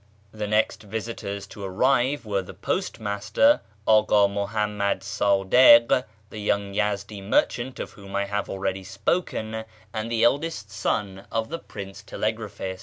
The next visitors to arrive were the postmaster, Aka ]\Iuhammad Sadik (the young Yezdi merchant of whom I have already spoken), and the eldest son of the Prince Telegraphist.